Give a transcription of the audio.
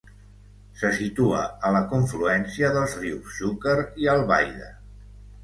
Se situa a la confluència dels rius Xúquer i Albaida.